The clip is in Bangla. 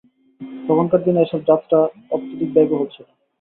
তখনকার দিনে এসব যাত্রা অত্যধিক ব্যয়বহুল ছিল।